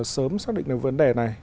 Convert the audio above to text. sớm xác định được vấn đề này